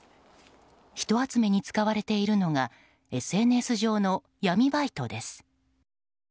人集めに使われているのがＳＮＳ上の闇バイトです。